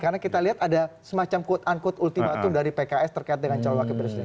karena kita lihat ada semacam quote unquote ultimatum dari pks terkait dengan calon wakil presiden